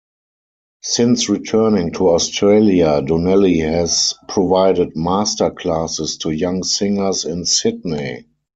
Since returning to Australia Donnelly has provided Master classes to young singers in Sydney.